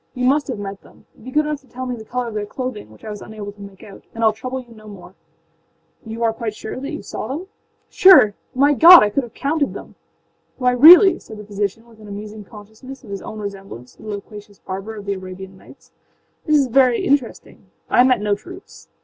You must have met them. Be good enough to tell me the color of their clothing, which I was unable to make out, and Iâll trouble you no more.â âYou are quite sure that you saw them?â âSure? My God, sir, I could have counted them!â âWhy, really,â said the physician, with an amusing consciousness of his own resemblance to the loquacious barber of the Arabian Nights, âthis is very interesting. I met no troops.